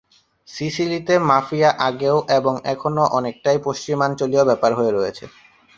সিসিলিতে mafia আগেও এবং এখনো অনেকটাই পশ্চিমাঞ্চলীয় ব্যাপার হয়ে রয়েছে।